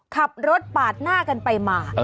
ขับรถปาดหน้ากันไปมา